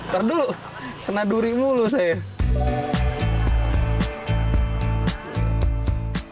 ternyata kena duri mulu saya